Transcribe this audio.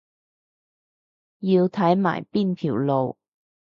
要睇埋邊條路